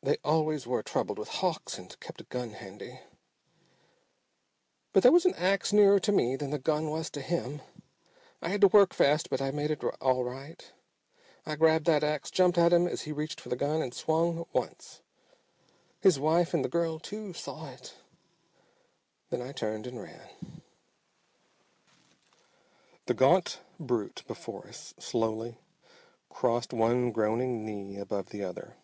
They always were troubled with hawks and kept a gun handy. But there was an ax nearer to me than the gun was to him. I had to work fast but I made it all right. I grabbed that ax, jumped at him as he reached for the gun, and swung once. His wife, and the girl too, saw it. Then I turned and ran." The gaunt brute before us slowly crossed one groaning knee above the other.